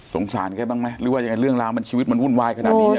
สงสารแกบ้างมั้ยหรือว่าเรื่องราวมันชีวิตมันวุ่นวายขนาดนี้